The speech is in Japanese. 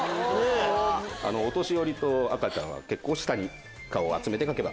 お年寄りと赤ちゃんは下に顔を集めて描けば。